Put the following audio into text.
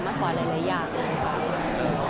มากกว่าหลายอย่างนี้ค่ะ